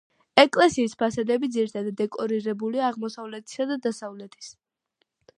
ეკლესიის ფასადები ძირითადად დეკორირებულია აღმოსავლეთისა და დასავლეთის.